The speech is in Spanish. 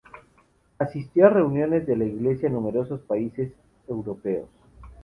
Asistió a reuniones de la Iglesia en numerosos países Europeos.